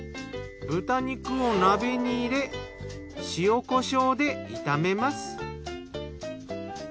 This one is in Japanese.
豚肉を鍋に入れ塩・コショウで炒めます。